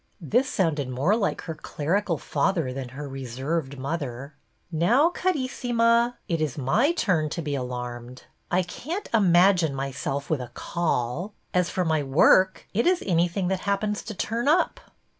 This sounded more like her clerical father than her reserved mother. '' Now, Carissima, it is my turn to be alarmed. I can't imagine myself with a ' call.' As for my work, it is anything that happens to turn up."